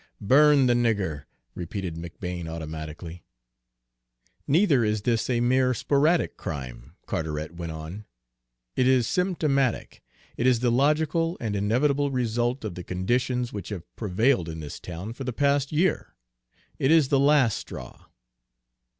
"Burn the nigger," repeated McBane automatically. "Neither is this a mere sporadic crime," Carteret went on. "It is symptomatic; it is the logical and inevitable result of the conditions which have prevailed in this town for the past year. It is the last straw."